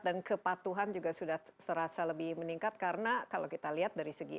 dan kepatuhan juga sudah terasa lebih meningkat karena kalau kita lihat dari sisi